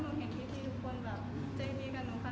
ไม่ใช่เกิดเรื่องแบบนี้ขึ้นได้ยังไง